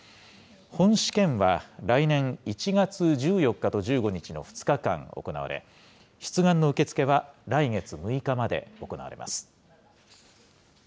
本試験は来年１月１４日と１５日の２日間行われ、出願の受け付けは来月６日まで行われます。